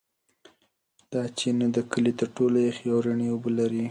دا چینه د کلي تر ټولو یخې او رڼې اوبه لري.